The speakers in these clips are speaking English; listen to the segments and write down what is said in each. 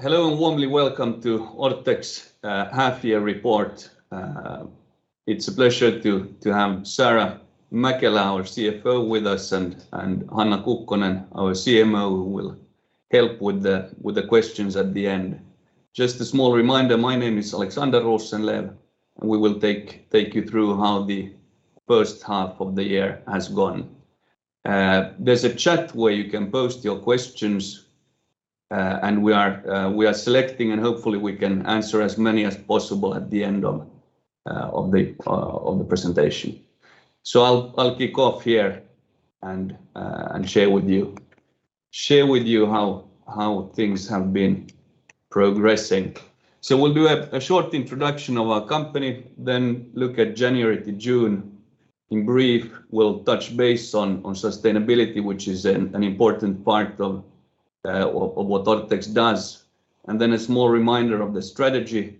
Hello, warmly welcome to Orthex half-year report. It's a pleasure to have Saara Mäkelä, our CFO, with us and Hanna Kukkonen, our CMO, who will help with the questions at the end. Just a small reminder, my name is Alexander Rosenlew, and we will take you through how the first half of the year has gone. There's a chat where you can post your questions, and we are selecting and hopefully we can answer as many as possible at the end of the presentation. I'll kick off here and share with you how things have been progressing. We'll do a short introduction of our company, then look at January to June. In brief, we'll touch base on sustainability, which is an important part of what Orthex does. Then a small reminder of the strategy.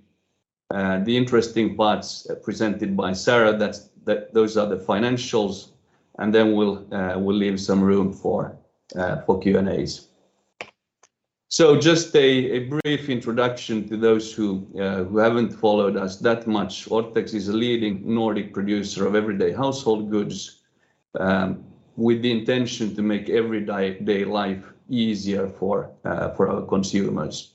The interesting parts presented by Saara, those are the financials. We'll leave some room for Q&As. Just a brief introduction to those who haven't followed us that much. Orthex is a leading Nordic producer of everyday household goods, with the intention to make everyday life easier for our consumers.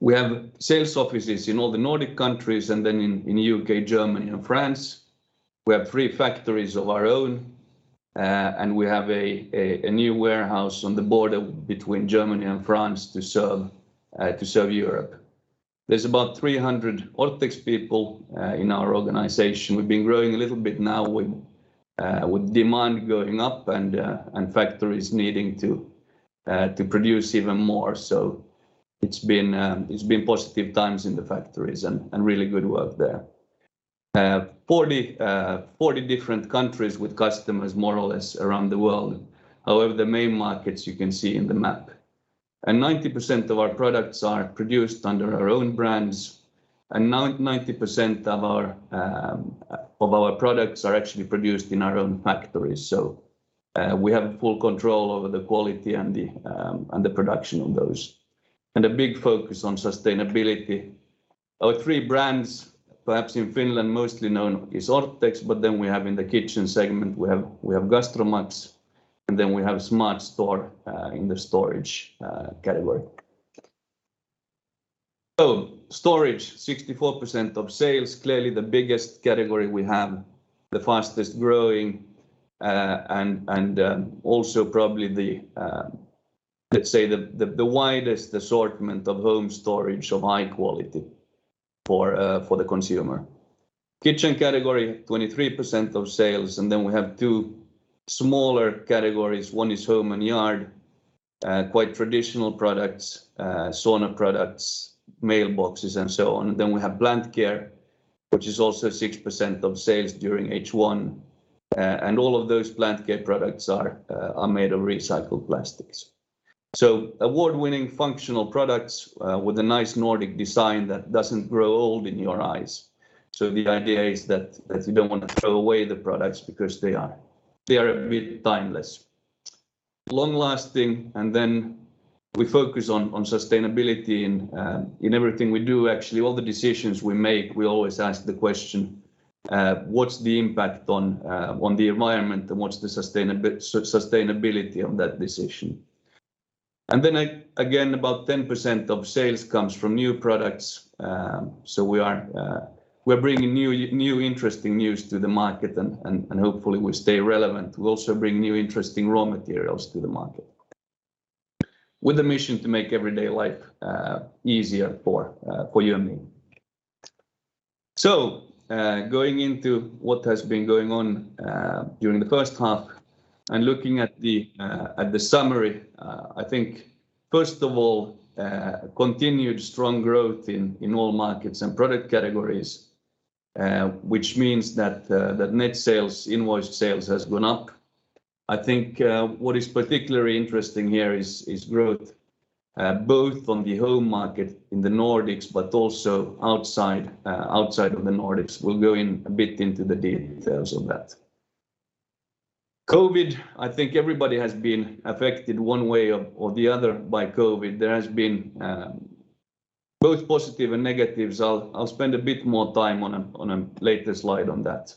We have sales offices in all the Nordic countries and then in U.K., Germany and France. We have three factories of our own, and we have a new warehouse on the border between Germany and France to serve Europe. There's about 300 Orthex people in our organization. We've been growing a little bit now with demand going up and factories needing to produce even more. It's been positive times in the factories and really good work there. 40 different countries with customers more or less around the world. However, the main markets you can see in the map. 90% of our products are produced under our own brands. 90% of our products are actually produced in our own factories, so we have full control over the quality and the production of those. A big focus on sustainability. Our three brands, perhaps in Finland, mostly known is Orthex, then we have in the kitchen segment, we have GastroMax, and then we have SmartStore in the storage category. Storage, 64% of sales. Clearly the biggest category we have, the fastest-growing, and also probably let's say the widest assortment of home storage of high quality for the consumer. Kitchen category, 23% of sales. We have two smaller categories. 1 is home and yard, quite traditional products, sauna products, mailboxes and so on. We have plant care, which is also 6% of sales during H1. All of those plant care products are made of recycled plastics. Award-winning functional products with a nice Nordic design that doesn't grow old in your eyes. The idea is that you don't want to throw away the products because they are a bit timeless. Long-lasting. We focus on sustainability in everything we do, actually, all the decisions we make, we always ask the question: What's the impact on the environment and what's the sustainability of that decision? Again, about 10% of sales comes from new products. We're bringing new interesting news to the market, and hopefully we stay relevant. We also bring new interesting raw materials to the market with a mission to make everyday life easier for you and me. Going into what has been going on during the first half and looking at the summary, I think, first of all, continued strong growth in all markets and product categories, which means that net sales, invoiced sales has gone up. I think what is particularly interesting here is growth, both on the home market in the Nordics but also outside of the Nordics. We'll go a bit into the details of that. COVID, I think everybody has been affected one way or the other by COVID. There has been both positive and negatives. I'll spend a bit more time on a later slide on that.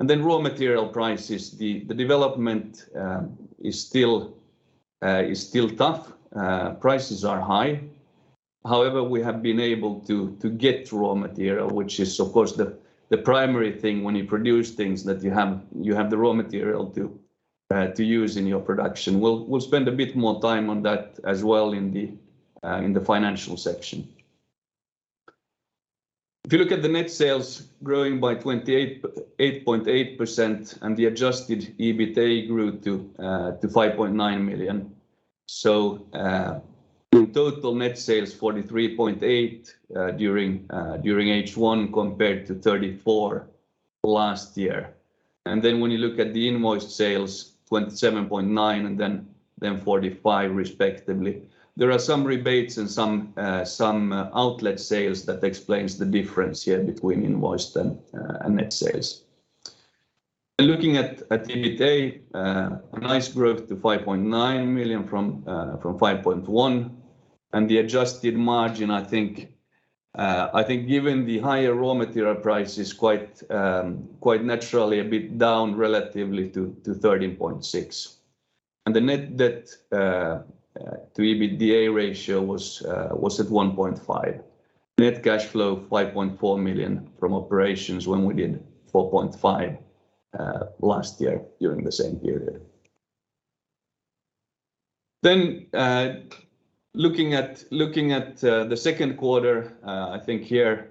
Raw material prices, the development is still tough. Prices are high. However, we have been able to get raw material, which is of course the primary thing when you produce things that you have the raw material to use in your production. We'll spend a bit more time on that as well in the financial section. If you look at the net sales growing by 28.8%, the adjusted EBITDA grew to 5.9 million. In total net sales 43.8 million during H1 compared to 34 million last year. When you look at the invoiced sales, 27.9% and 45 million respectively. There are some rebates and some outlet sales that explains the difference here between invoiced and net sales. Looking at EBITDA, a nice growth to 5.9 million from 5.1 million. The adjusted margin, I think given the higher raw material prices, quite naturally a bit down relatively to 13.6%. The net debt to EBITDA ratio was at 1.5x. Net cash flow 5.4 million from operations when we did 4.5 million last year during the same period. Looking at the second quarter, I think here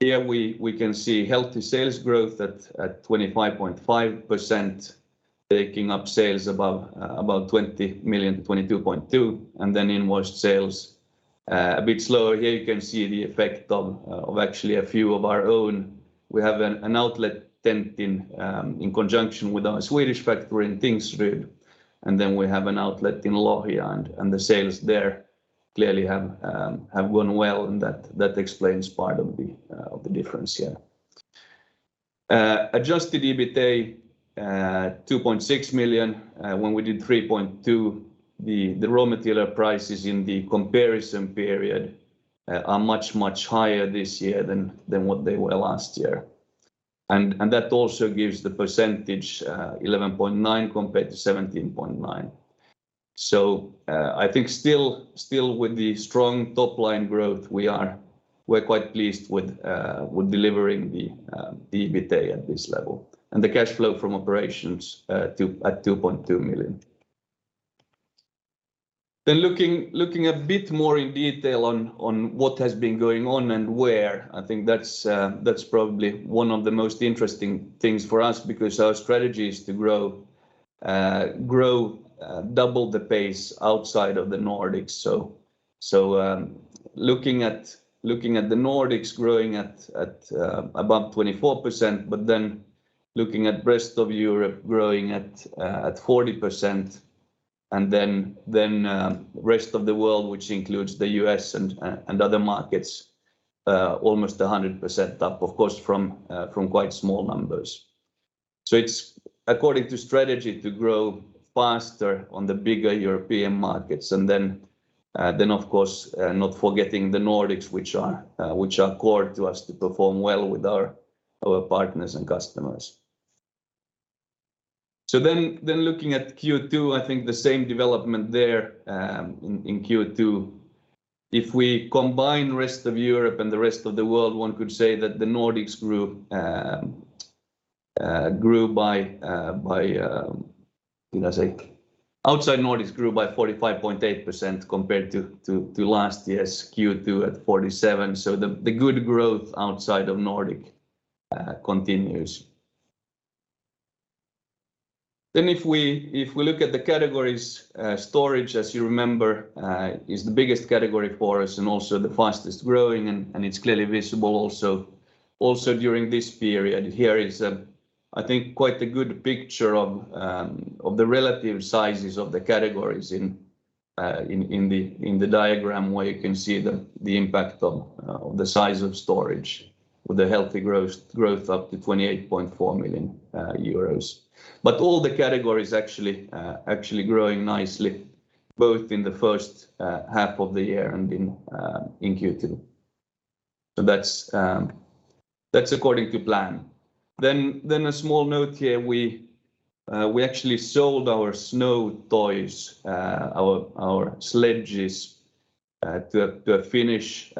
we can see healthy sales growth at 25.5%, taking up sales about 20 million-22.2 million. Invoice sales, a bit slower here. You can see the effect of actually a few of our own We have an outlet tent in conjunction with our Swedish factory in Tingsryd. We have an outlet in Lohja, and the sales there clearly have gone well, and that explains part of the difference here. Adjusted EBITDA, 2.6 million, when we did 3.2 million. The raw material prices in the comparison period are much higher this year than what they were last year. That also gives the percentage 11.9% compared to 17.9%. I think still with the strong top-line growth, we're quite pleased with delivering the EBITDA at this level. The cash flow from operations at 2.2 million. Looking a bit more in detail on what has been going on and where, I think that's probably one of the most interesting things for us because our strategy is to grow double the pace outside of the Nordics. Looking at the Nordics growing at about 24%, but then looking at rest of Europe growing at 40%, and then rest of the world, which includes the U.S. and other markets, almost 100% up, of course, from quite small numbers. It's according to strategy to grow faster on the bigger European markets. Of course, not forgetting the Nordics, which are core to us to perform well with our partners and customers. Looking at Q2, I think the same development there in Q2. If we combine rest of Europe and the rest of the world, one could say that Outside Nordics grew by 45.8% compared to last year's Q2 at 47%. The good growth outside of Nordics continues. If we look at the categories, storage, as you remember, is the biggest category for us and also the fastest-growing, and it's clearly visible also during this period. Here is, I think, quite a good picture of the relative sizes of the categories in the diagram where you can see the impact of the size of storage with a healthy growth up to 28.4 million euros. All the categories actually growing nicely, both in the first half of the year and in Q2. That's according to plan. A small note here. We actually sold our snow toys, our sledges, to a Finnish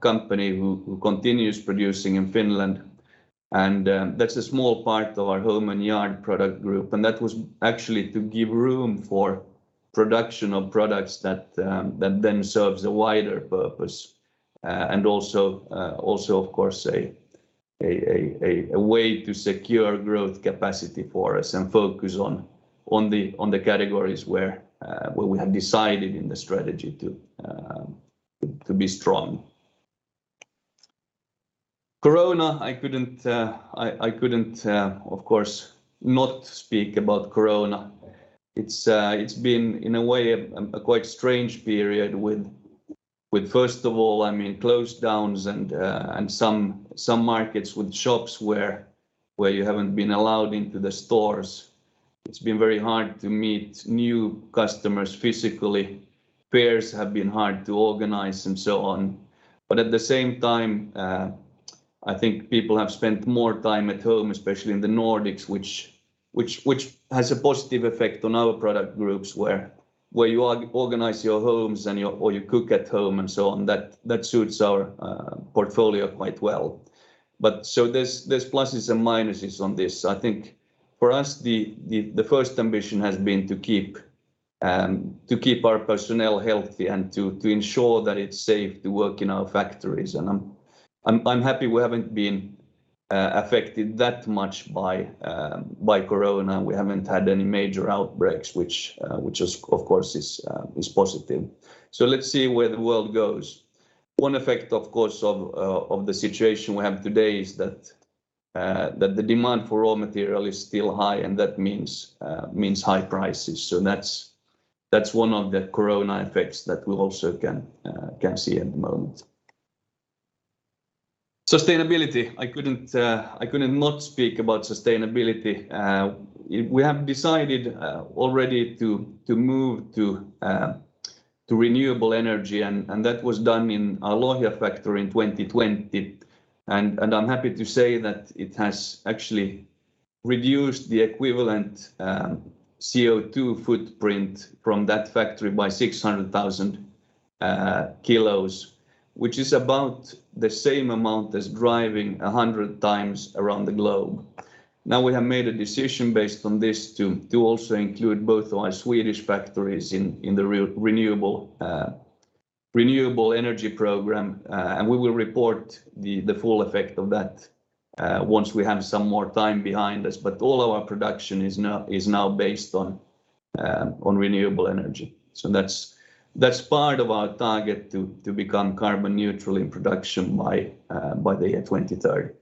company who continues producing in Finland. That's a small part of our home and yard product group. That was actually to give room for production of products that then serves a wider purpose. Also, of course, a way to secure growth capacity for us and focus on the categories where we have decided in the strategy to be strong. Corona, I couldn't, of course, not speak about corona. It's been, in a way, a quite strange period with first of all, closedowns and some markets with shops where you haven't been allowed into the stores. It's been very hard to meet new customers physically. Fairs have been hard to organize, and so on. At the same time, I think people have spent more time at home, especially in the Nordics, which has a positive effect on our product groups, where you organize your homes or you cook at home and so on. That suits our portfolio quite well. There's pluses and minuses on this. I think for us, the first ambition has been to keep our personnel healthy and to ensure that it's safe to work in our factories. I'm happy we haven't been affected that much by corona. We haven't had any major outbreaks, which of course is positive. Let's see where the world goes. One effect, of course, of the situation we have today is that the demand for raw material is still high, and that means high prices. That's one of the corona effects that we also can see at the moment. Sustainability. I couldn't not speak about sustainability. We have decided already to move to renewable energy, and that was done in our Lohja factory in 2020. I'm happy to say that it has actually reduced the equivalent CO2 footprint from that factory by 600,000 kilos, which is about the same amount as driving 100 times around the globe. We have made a decision based on this to also include both our Swedish factories in the renewable energy program. We will report the full effect of that once we have some more time behind us. All our production is now based on renewable energy. That's part of our target to become carbon neutral in production by the year 2030.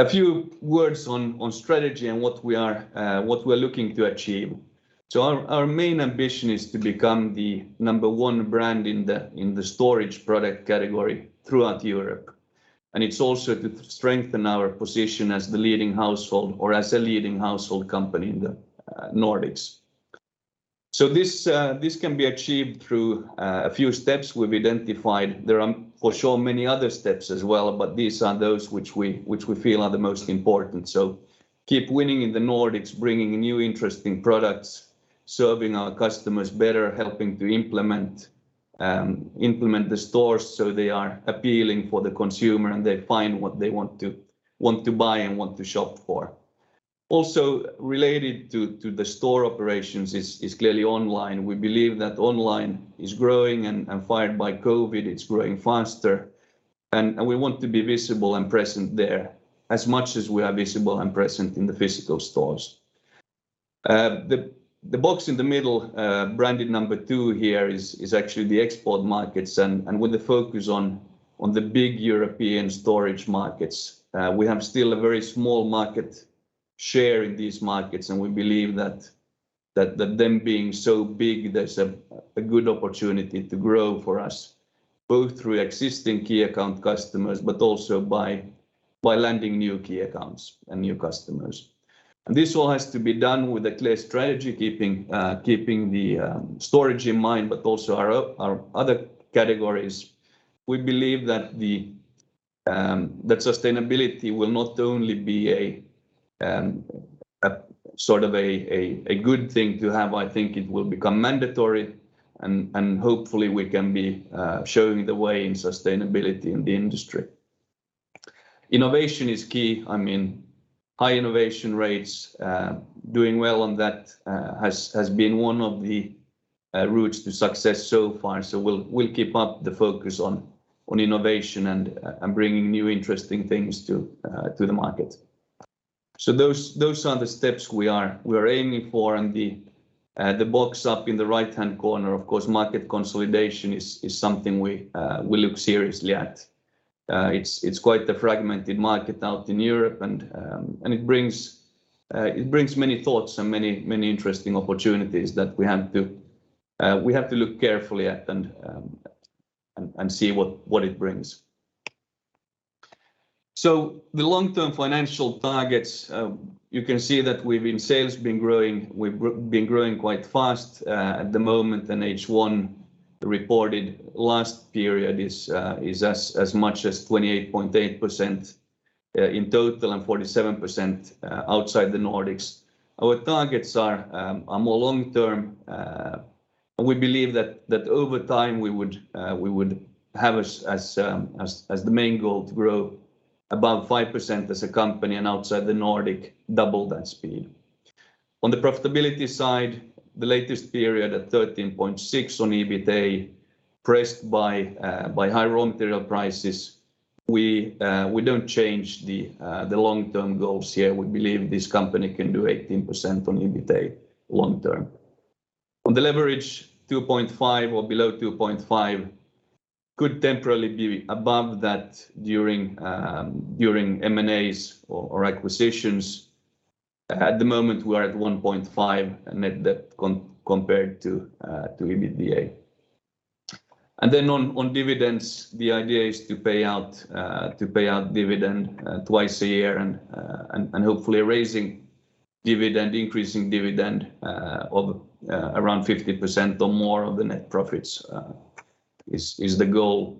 A few words on strategy and what we are looking to achieve. Our main ambition is to become the number one brand in the storage product category throughout Europe. It's also to strengthen our position as the leading household, or as a leading household company in the Nordics. This can be achieved through a few steps we've identified. There are for sure many other steps as well, but these are those which we feel are the most important. Keep winning in the Nordics, bringing new, interesting products, serving our customers better, helping to implement the stores so they are appealing for the consumer, and they find what they want to buy and want to shop for. Also related to the store operations is clearly online. We believe that online is growing, and fired by COVID, it's growing faster, and we want to be visible and present there as much as we are visible and present in the physical stores. The box in the middle, branded number two here, is actually the export markets and with the focus on the big European storage markets. We have still a very small market share in these markets. We believe that them being so big, there's a good opportunity to grow for us, both through existing key account customers, but also by landing new key accounts and new customers. This all has to be done with a clear strategy, keeping the storage in mind, but also our other categories. We believe that sustainability will not only be a good thing to have. I think it will become mandatory. Hopefully we can be showing the way in sustainability in the industry. Innovation is key. High innovation rates, doing well on that has been one of the routes to success so far. We'll keep up the focus on innovation and bringing new, interesting things to the market. Those are the steps we are aiming for, and the box up in the right-hand corner, of course, market consolidation is something we look seriously at. It's quite the fragmented market out in Europe, and it brings many thoughts and many interesting opportunities that we have to look carefully at and see what it brings. The long-term financial targets, you can see that sales have been growing quite fast at the moment, and H1 reported last period is as much as 28.8% in total and 47% outside the Nordics. Our targets are more long-term. We believe that over time, we would have as the main goal to grow above 5% as a company, and outside the Nordic, double that speed. On the profitability side, the latest period at 13.6% on EBITA, pressed by high raw material prices. We don't change the long-term goals here. We believe this company can do 18% on EBITA long-term. On the leverage, 2.5x or below 2.5x could temporarily be above that during M&As or acquisitions. At the moment, we are at 1.5x net debt compared to EBITDA. Then on dividends, the idea is to pay out dividend twice a year and hopefully raising dividend, increasing dividend of around 50% or more of the net profits is the goal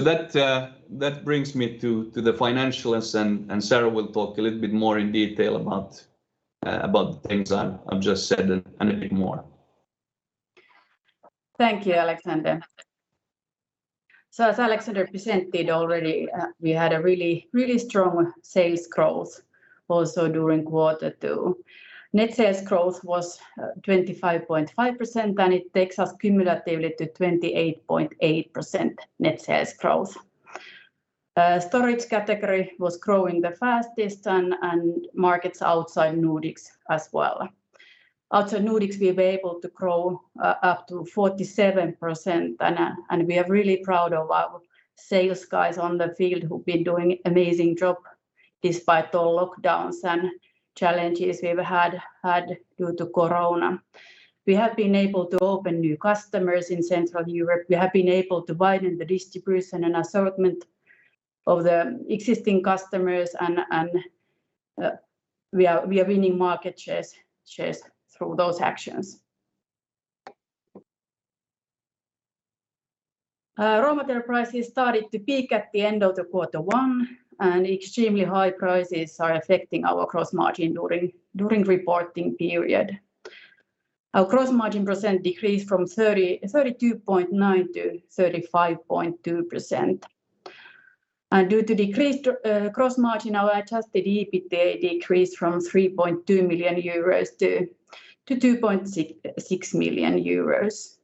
long-term. That brings me to the financials, and Saara will talk a little bit more in detail about the things I've just said and a bit more. Thank you, Alexander. As Alexander presented already, we had a really strong sales growth also during quarter two. Net sales growth was 25.5%, it takes us cumulatively to 28.8% net sales growth. Storage category was growing the fastest and markets outside Nordics as well. Outside Nordics, we were able to grow up to 47%. We are really proud of our sales guys on the field who've been doing amazing job. Despite all lockdowns and challenges we've had due to corona, we have been able to open new customers in Central Europe. We have been able to widen the distribution and assortment of the existing customers, we are winning market shares through those actions. Raw material prices started to peak at the end of quarter one, extremely high prices are affecting our gross margin during reporting period. Our gross margin percent decreased from 32.9%-35.2%. Due to decreased gross margin, our adjusted EBITDA decreased from 3.2 million-2.6 million euros.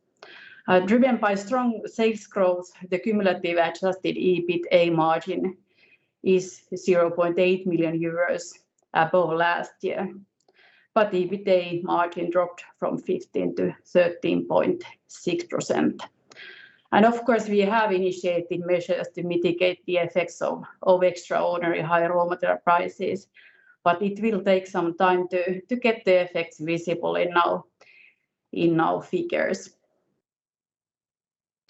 Driven by strong sales growth, the cumulative adjusted EBITDA margin is 0.8 million euros above last year. The EBITDA margin dropped from 15%-13.6%. Of course, we have initiated measures to mitigate the effects of extraordinarily high raw material prices, but it will take some time to get the effects visible in our figures.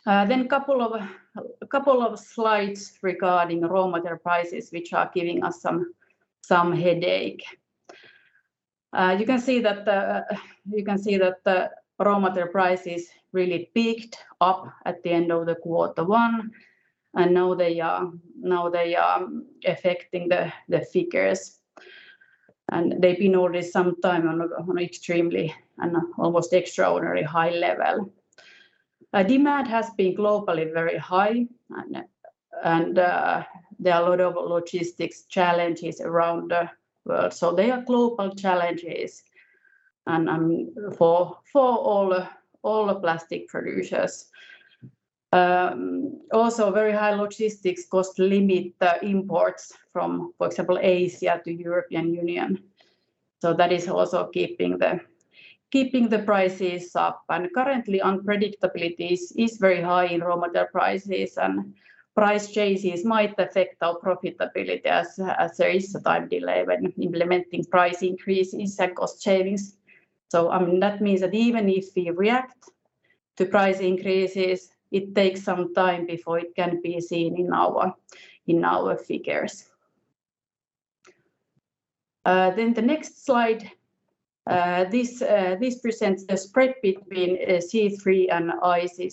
Couple of slides regarding raw material prices, which are giving us some headache. You can see that the raw material prices really peaked up at the end of the quarter one, and now they are affecting the figures, and they've been already some time on extremely and almost extraordinary high level. Demand has been globally very high, and there are a lot of logistics challenges around the world. They are global challenges and for all plastic producers. Also, very high logistics cost limit the imports from, for example, Asia to European Union. That is also keeping the prices up, and currently unpredictability is very high in raw material prices, and price changes might affect our profitability as there is a time delay when implementing price increases and cost savings. That means that even if we react to price increases, it takes some time before it can be seen in our figures. The next slide, this presents the spread between C3 and IC.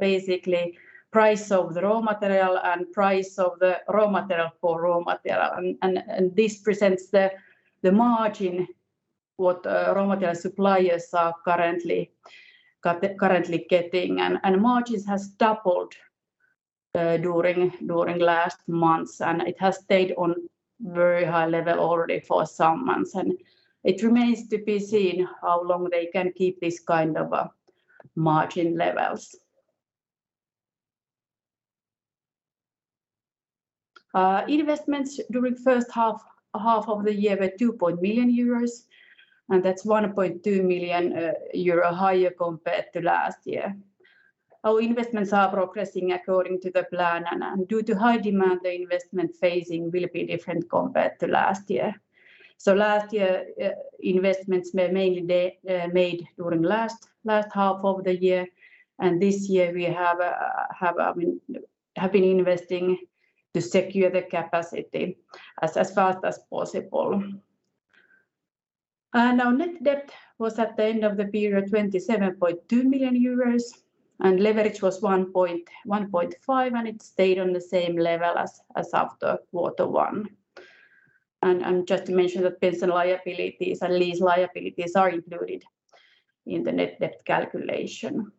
Basically, price of the raw material and price of the raw material for raw material. This presents the margin what raw material suppliers are currently getting. Margins has doubled during last months. It has stayed on very high level already for some months. It remains to be seen how long they can keep this kind of margin levels. Investments during first half of the year were 2 million euros. That's 1.2 million euro higher compared to last year. Our investments are progressing according to the plan. Due to high demand, the investment phasing will be different compared to last year. Last year, investments were mainly made during last half of the year. This year we have been investing to secure the capacity as fast as possible. Our net debt was, at the end of the period, 27.2 million euros, and leverage was 1.5x. It stayed on the same level as after quarter one. Just to mention that pension liabilities and lease liabilities are included in the net debt calculation.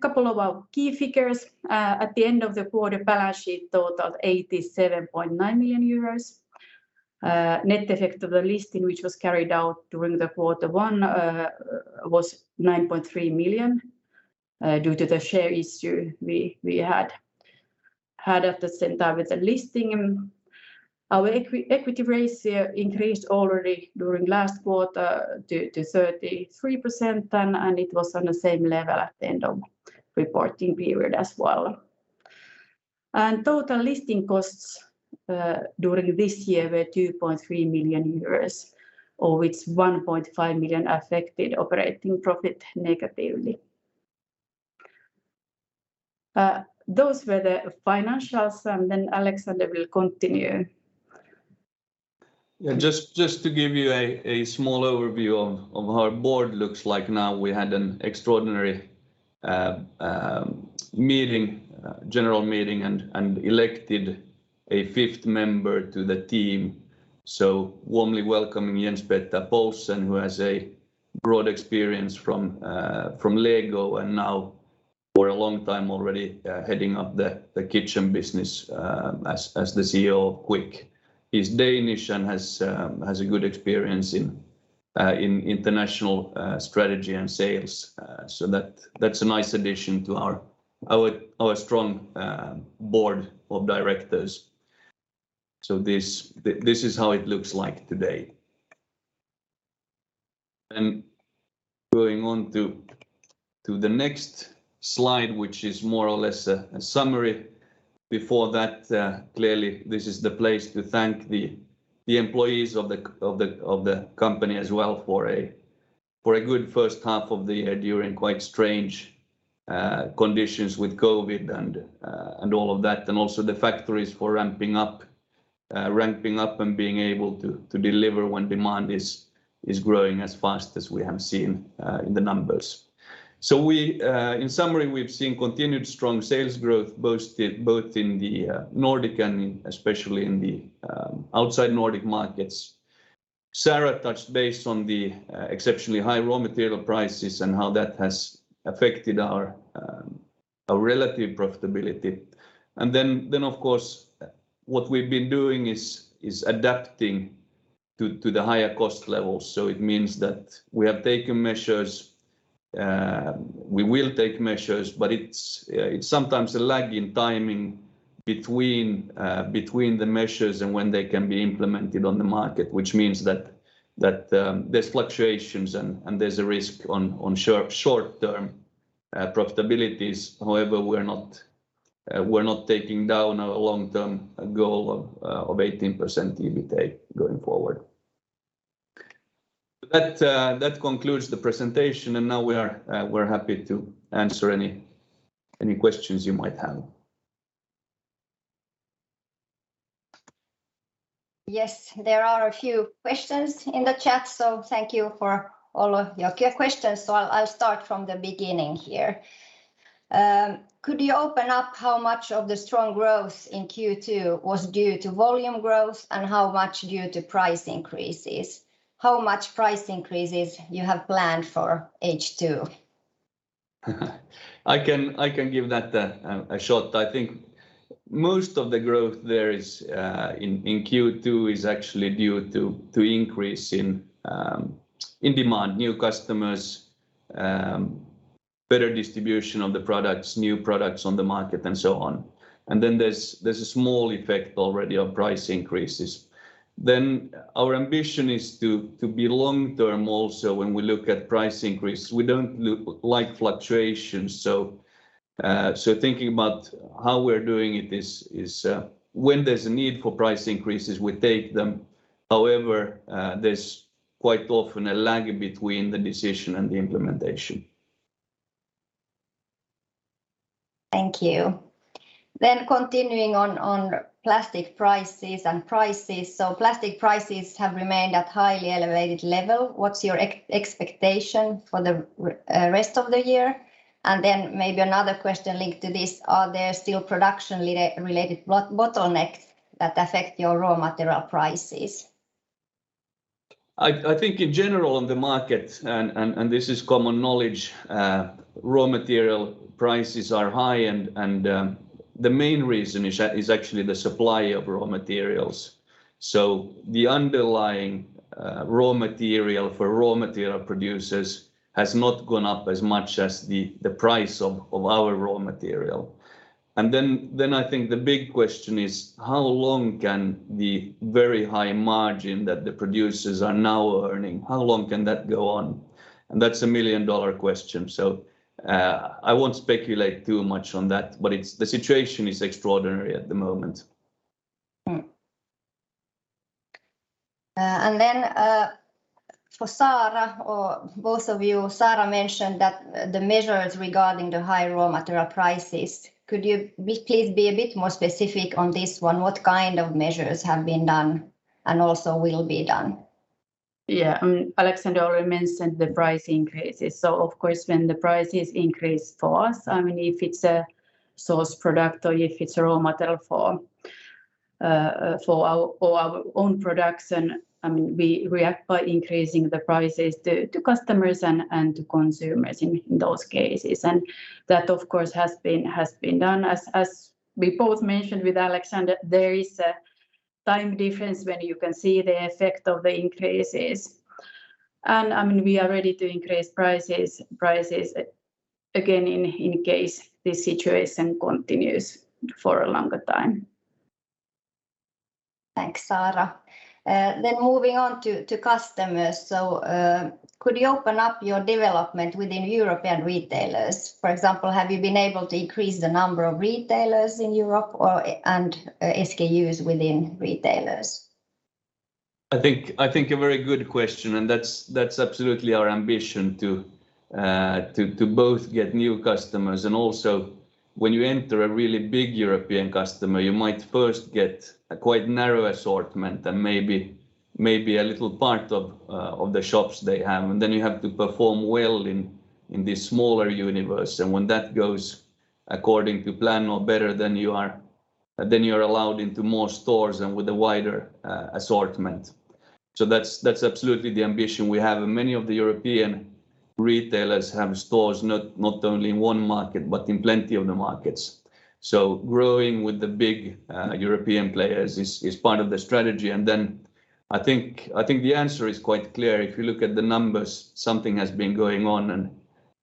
Couple of our key figures. At the end of the quarter, balance sheet total, 87.9 million euros. Net effect of the listing, which was carried out during the quarter one, was 9.3 million, due to the share issue we had at the same time with the listing. Our equity ratio increased already during last quarter to 33%, and it was on the same level at the end of reporting period as well. Total listing costs during this year were 2.3 million euros, of which 1.5 million affected operating profit negatively. Those were the financials, and then Alexander will continue. Just to give you a small overview of how our Board looks like now. We had an extraordinary general meeting and elected a fifth member to the team. Warmly welcoming Jens-Peter Poulsen, who has a broad experience from LEGO and now for a long time already, heading up the kitchen business as the CEO of Kvik. He's Danish and has a good experience in international strategy and sales. That's a nice addition to our strong Board of Directors. This is how it looks like today. Going on to the next slide, which is more or less a summary. Before that, clearly this is the place to thank the employees of the company as well for a good first half of the year during quite strange conditions with COVID and all of that, and also the factories for ramping up and being able to deliver when demand is growing as fast as we have seen in the numbers. In summary, we've seen continued strong sales growth, both in the Nordic and especially in the outside Nordic markets. Saara touched base on the exceptionally high raw material prices and how that has affected our relative profitability. Of course, what we've been doing is adapting to the higher cost levels. It means that we have taken measures, we will take measures, but it's sometimes a lag in timing between the measures and when they can be implemented on the market, which means that there's fluctuations and there's a risk on short-term profitabilities. However, we're not taking down our long-term goal of 18% EBITDA going forward. That concludes the presentation, and now we're happy to answer any questions you might have. Yes, there are a few questions in the chat. Thank you for all of your questions. I'll start from the beginning here. Could you open up how much of the strong growth in Q2 was due to volume growth and how much due to price increases? How much price increases you have planned for H2? I can give that a shot. I think most of the growth there is in Q2 is actually due to increase in demand, new customers, better distribution of the products, new products on the market, and so on. There's a small effect already on price increases. Our ambition is to be long-term also when we look at price increase. We don't like fluctuations, thinking about how we're doing it is when there's a need for price increases, we take them. However, there's quite often a lag between the decision and the implementation. Thank you. Continuing on plastic prices and prices. Plastic prices have remained at highly elevated level. What's your expectation for the rest of the year? Maybe another question linked to this, are there still production-related bottlenecks that affect your raw material prices? I think in general on the market, and this is common knowledge, raw material prices are high and the main reason is actually the supply of raw materials. The underlying raw material for raw material producers has not gone up as much as the price of our raw material. Then I think the big question is, how long can the very high margin that the producers are now earning, how long can that go on? That's a million-dollar question, so I won't speculate too much on that, but the situation is extraordinary at the moment. Mm-hmm. For Saara or both of you, Saara mentioned that the measures regarding the high raw material prices, could you please be a bit more specific on this one? What kind of measures have been done and also will be done? Yeah. Alexander already mentioned the price increases. Of course, when the prices increase for us, if it's a source product or if it's a raw material for our own products, then we react by increasing the prices to customers and to consumers in those cases. That, of course, has been done. As we both mentioned with Alexander, there is a time difference when you can see the effect of the increases. We are ready to increase prices again in case this situation continues for a longer time. Thanks, Saara. Moving on to customers. Could you open up your development within European retailers? For example, have you been able to increase the number of retailers in Europe and SKUs within retailers? I think a very good question, and that's absolutely our ambition to both get new customers and also when you enter a really big European customer, you might first get a quite narrow assortment and maybe a little part of the shops they have. You have to perform well in this smaller universe. When that goes according to plan or better, then you are allowed into more stores and with a wider assortment. That's absolutely the ambition we have, and many of the European retailers have stores, not only in one market, but in plenty of the markets. Growing with the big European players is part of the strategy, and then I think the answer is quite clear. If you look at the numbers, something has been going on,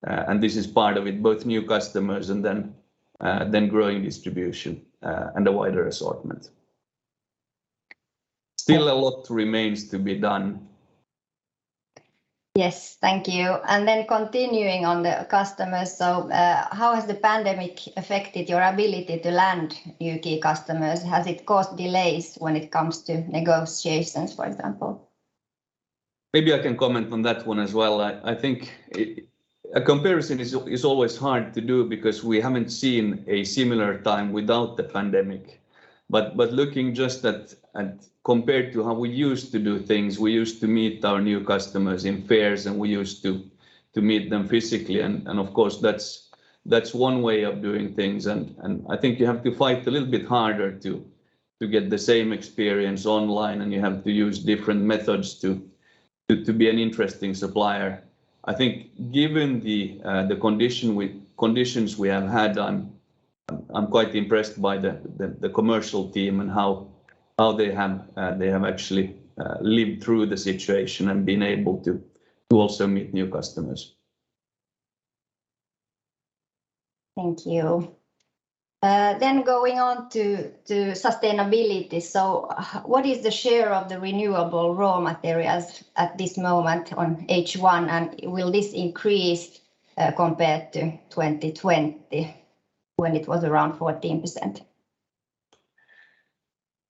and this is part of it, both new customers and then growing distribution and a wider assortment. Still a lot remains to be done. Yes. Thank you. Continuing on the customers. How has the pandemic affected your ability to land new key customers? Has it caused delays when it comes to negotiations, for example? Maybe I can comment on that one as well. I think a comparison is always hard to do, because we haven't seen a similar time without the pandemic. Looking just at compared to how we used to do things, we used to meet our new customers in fairs, and we used to meet them physically. Of course, that's one way of doing things. I think you have to fight a little bit harder to get the same experience online, and you have to use different methods to be an interesting supplier. I think given the conditions we have had, I'm quite impressed by the commercial team and how they have actually lived through the situation and been able to also meet new customers. Thank you. Going on to sustainability. What is the share of the renewable raw materials at this moment on H1? Will this increase compared to 2020 when it was around 14%?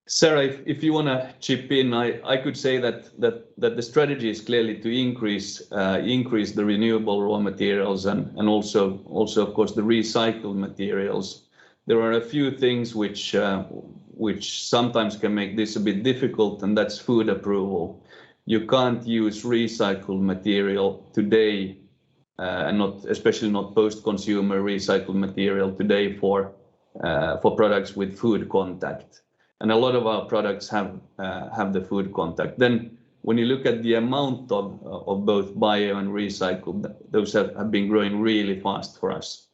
Saara, if you want to chip in, I could say that the strategy is clearly to increase the renewable raw materials and also, of course, the recycled materials. There are a few things which sometimes can make this a bit difficult, that's food approval. You can't use recycled material today, especially not post-consumer recycled material today, for products with food contact. A lot of our products have the food contact. When you look at the amount of both bio and recycled, those have been growing really fast for us.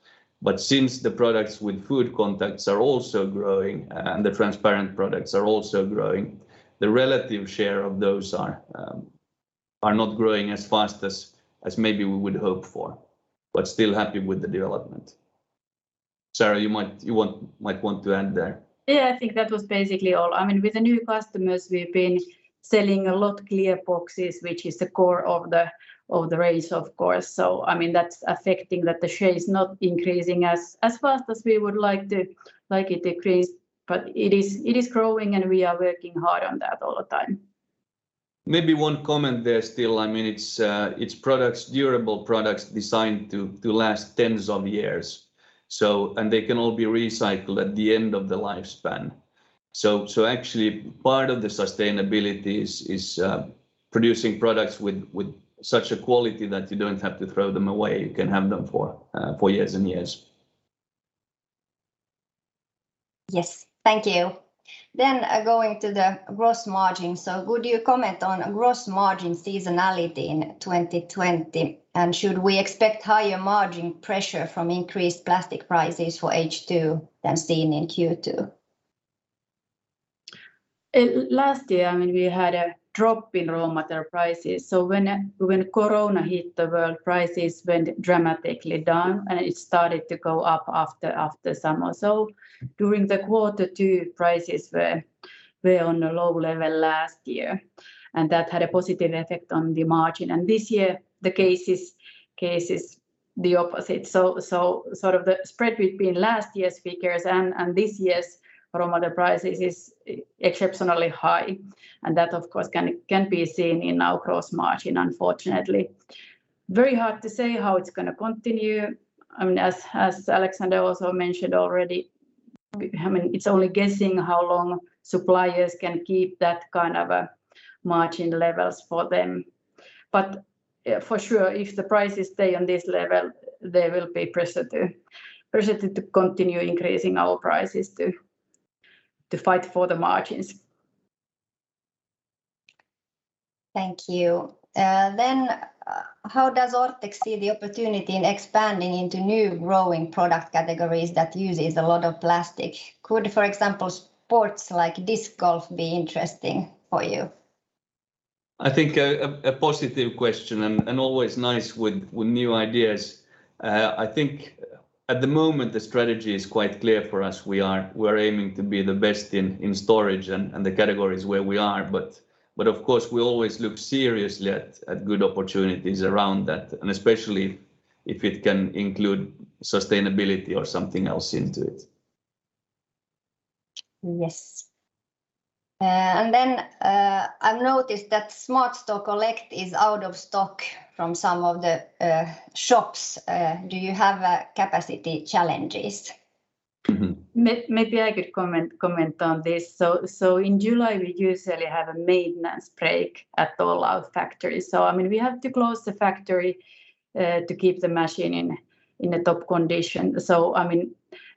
Since the products with food contacts are also growing and the transparent products are also growing, the relative share of those are not growing as fast as maybe we would hope for. Still happy with the development. Saara, you might want to end there. Yeah, I think that was basically all. With the new customers, we've been selling a lot clear boxes, which is the core of the range, of course. That's affecting that the share is not increasing as fast as we would like it to increase, but it is growing, and we are working hard on that all the time. Maybe one comment there still. It's durable products designed to last tens of years, and they can all be recycled at the end of the lifespan. Actually, part of the sustainability is producing products with such a quality that you don't have to throw them away. You can have them for years and years. Yes. Thank you. Going to the gross margin. Could you comment on gross margin seasonality in 2020? Should we expect higher margin pressure from increased plastic prices for H2 than seen in Q2? Last year, we had a drop in raw material prices. When COVID hit the world, prices went dramatically down, and it started to go up after summer. During the quarter two, prices were on a low level last year, and that had a positive effect on the margin. This year, the case is the opposite. The spread between last year's figures and this year's raw material prices is exceptionally high. That, of course, can be seen in our gross margin, unfortunately. Very hard to say how it's going to continue. As Alexander also mentioned already, it's only guessing how long suppliers can keep that kind of margin levels for them. For sure, if the prices stay on this level, they will be pressured to continue increasing our prices to fight for the margins. Thank you. How does Orthex see the opportunity in expanding into new growing product categories that uses a lot of plastic? Could, for example, sports like disc golf be interesting for you? I think a positive question and always nice with new ideas. I think at the moment, the strategy is quite clear for us. We are aiming to be the best in storage and the categories where we are. Of course, we always look seriously at good opportunities around that, and especially if it can include sustainability or something else into it. Yes. I've noticed that SmartStore Collect is out of stock from some of the shops. Do you have capacity challenges? Maybe I could comment on this. In July, we usually have a maintenance break at all our factories. We have to close the factory to keep the machine in a top condition.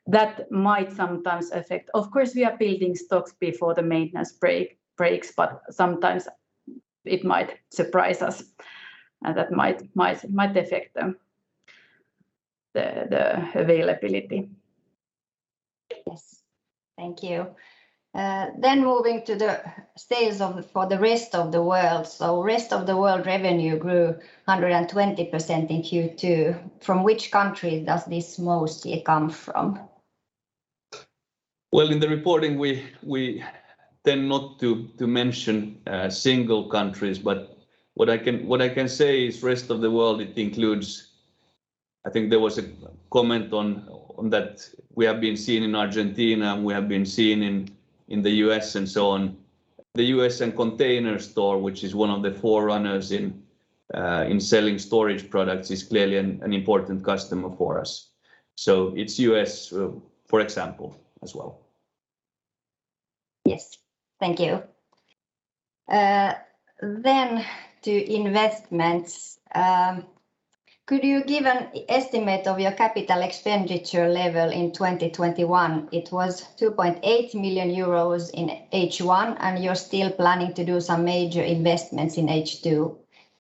That might sometimes affect. Of course, we are building stocks before the maintenance breaks, but sometimes it might surprise us, and that might affect the availability. Yes. Thank you. Moving to the sales for the rest of the world. Rest of the world revenue grew 120% in Q2. From which country does this mostly come from? In the reporting, we tend not to mention single countries, but what I can say is rest of the world, it includes I think there was a comment on that we have been seen in Argentina, and we have been seen in the U.S. and so on. The U.S. and The Container Store, which is one of the forerunners in selling storage products, is clearly an important customer for us. It's U.S., for example, as well. Yes. Thank you. To investments. Could you give an estimate of your capital expenditure level in 2021? It was 2.8 million euros in H1, and you're still planning to do some major investments in H2.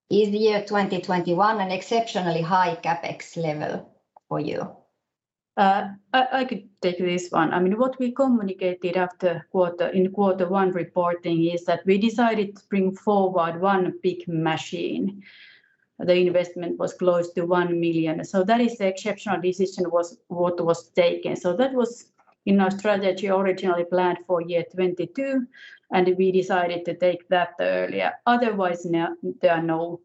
Is the year 2021 an exceptionally high CapEx level for you? I could take this one. What we communicated in quarter one reporting is that we decided to bring forward one big machine. The investment was close to 1 million. That is the exceptional decision what was taken. That was in our strategy originally planned for year 2022, and we decided to take that earlier. Otherwise, there are no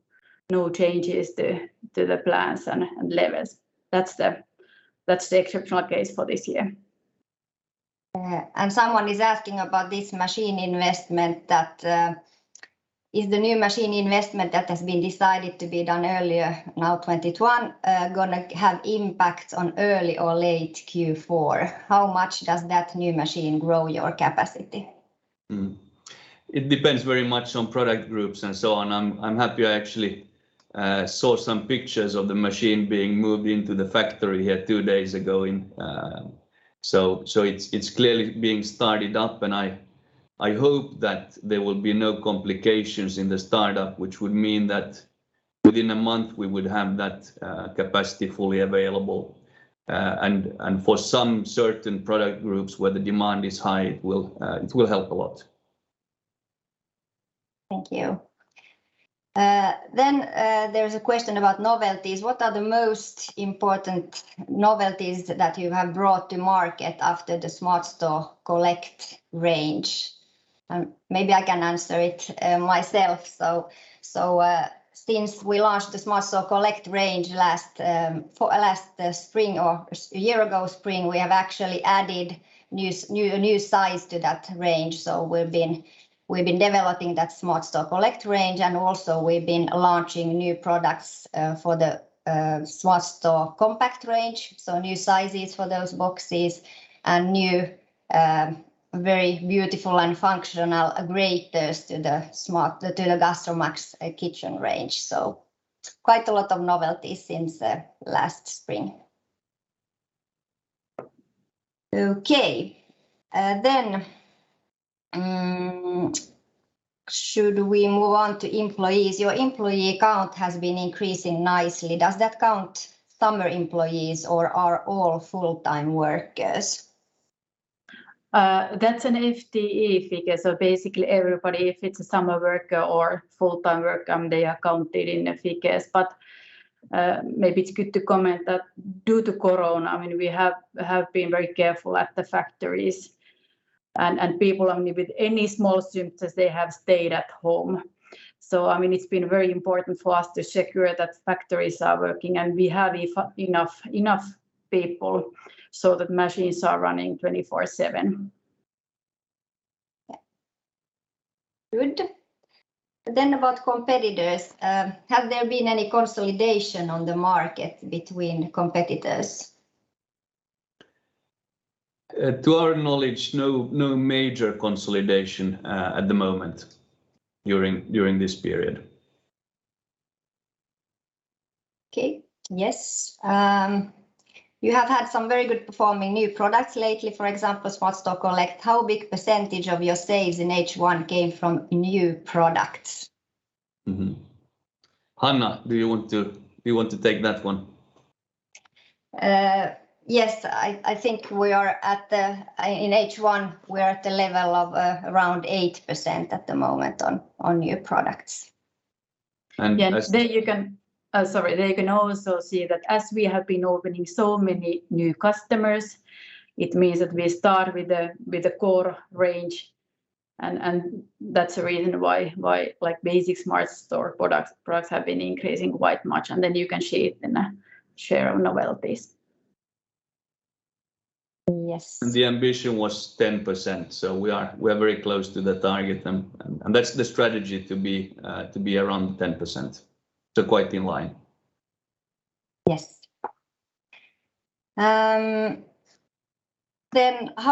changes to the plans and levels. That's the exceptional case for this year. Someone is asking about this machine investment that is the new machine investment that has been decided to be done earlier, now 2021, going to have impact on early or late Q4? How much does that new machine grow your capacity? It depends very much on product groups and so on. I'm happy I actually saw some pictures of the machine being moved into the factory here two days ago. It is clearly being started up, and I hope that there will be no complications in the startup, which would mean that within a month we would have that capacity fully available. For some certain product groups where the demand is high, it will help a lot. Thank you. There's a question about novelties. What are the most important novelties that you have brought to market after the SmartStore Collect range? Maybe I can answer it myself. Since we launched the SmartStore Collect range a year ago spring, we have actually added new size to that range. We've been developing that SmartStore Collect range, and also we've been launching new products for the SmartStore Compact range, new sizes for those boxes and new very beautiful and functional graters to the GastroMax kitchen range. Quite a lot of novelties since last spring. Okay. Should we move on to employees? Your employee count has been increasing nicely. Does that count summer employees, or are all full-time workers? That's an FTE figure, so basically everybody, if it's a summer worker or full-time worker, they are counted in the figures. Maybe it's good to comment that due to corona, we have been very careful at the factories, and people with any small symptoms, they have stayed at home. It's been very important for us to secure that factories are working and we have enough people so that machines are running 24/7. Good. About competitors. Has there been any consolidation on the market between competitors? To our knowledge, no major consolidation at the moment during this period. Okay. Yes. You have had some very good performing new products lately, for example, SmartStore Collect. How big percentage of your sales in H1 came from new products? Hanna, do you want to take that one? Yes. I think in H1, we are at the level of around 8% at the moment on new products. Sorry. There you can also see that as we have been opening so many new customers, it means that we start with the core range, and that's the reason why basic SmartStore products have been increasing quite much, and then you can see it in the share of novelties. Yes. The ambition was 10%, so we are very close to the target. That's the strategy, to be around 10%, so quite in line. Yes. How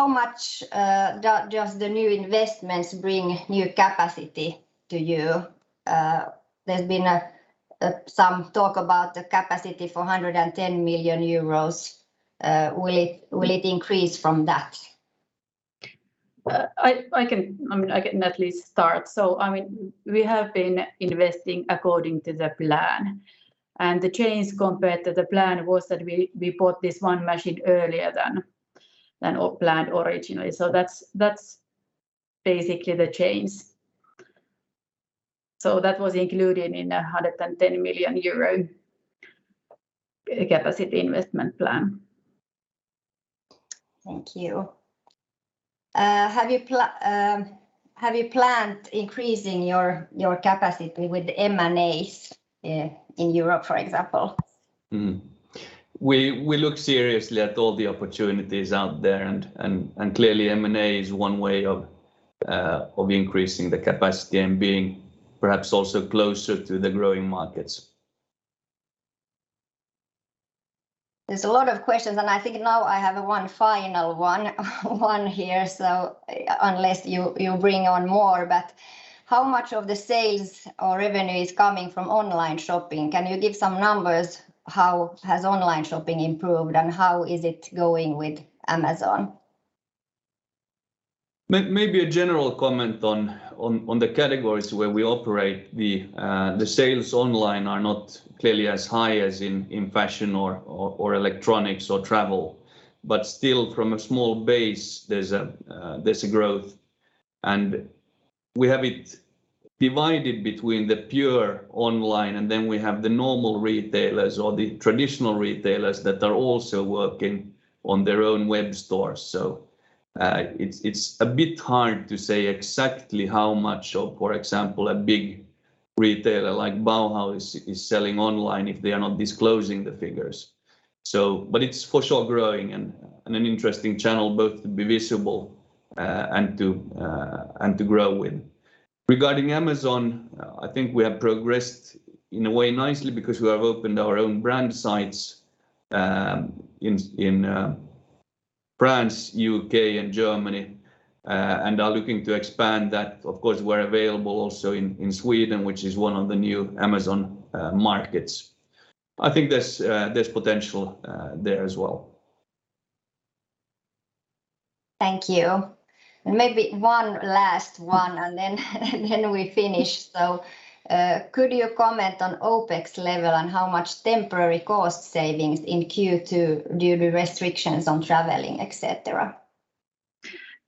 much does the new investments bring new capacity to you? There's been some talk about the capacity for 110 million euros. Will it increase from that? I can at least start. We have been investing according to the plan. The change compared to the plan was that we bought this one machine earlier than planned originally. That's basically the change. That was included in the 110 million euro capacity investment plan. Thank you. Have you planned increasing your capacity with M&As in Europe, for example? We look seriously at all the opportunities out there, and clearly M&A is one way of increasing the capacity and being perhaps also closer to the growing markets. There's a lot of questions, and I think now I have one final one here, unless you bring on more. How much of the sales or revenue is coming from online shopping? Can you give some numbers? How has online shopping improved, and how is it going with Amazon? Maybe a general comment on the categories where we operate, the sales online are not clearly as high as in fashion or electronics or travel. Still from a small base, there's a growth and we have it divided between the pure online and then we have the normal retailers or the traditional retailers that are also working on their own web stores. It's a bit hard to say exactly how much of, for example, a big retailer like Bauhaus is selling online if they are not disclosing the figures. It's for sure growing and an interesting channel both to be visible and to grow in. Regarding Amazon, I think we have progressed in a way nicely because we have opened our own brand sites in France, U.K., and Germany, and are looking to expand that. Of course, we're available also in Sweden, which is one of the new Amazon markets. I think there's potential there as well. Thank you. Maybe one last one and then we finish. Could you comment on OpEx level and how much temporary cost savings in Q2 due to restrictions on traveling, et cetera?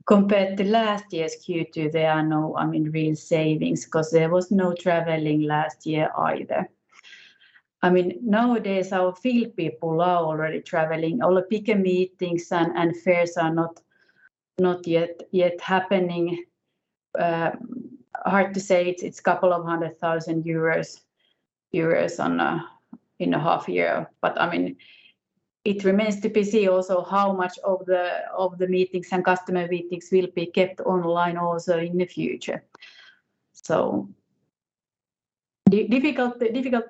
Compared to last year's Q2, there are no real savings because there was no traveling last year either. Nowadays our field people are already traveling. All the bigger meetings and fairs are not yet happening. Hard to say, it's a couple of hundred thousand euros in a half year. It remains to be seen also how much of the meetings and customer meetings will be kept online also in the future. Difficult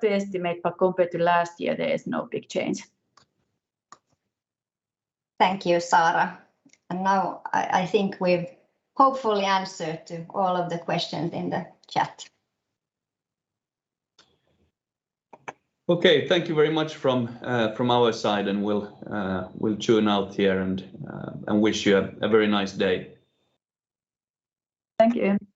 to estimate, but compared to last year, there is no big change. Thank you, Saara. Now I think we've hopefully answered to all of the questions in the chat. Okay. Thank you very much from our side, and we'll tune out here and wish you a very nice day. Thank you.